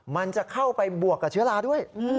มันจะเข้าไปบวกกับเชื้อราด้วย